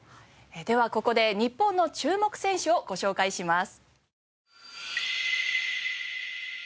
ではここで日本の注目選手をご紹介します。